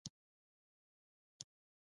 آزاد تجارت مهم دی ځکه چې پیسې لیږد اسانوي.